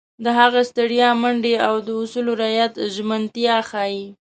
د هغه ستړیا، منډې او د اصولو رعایت ژمنتیا ښيي.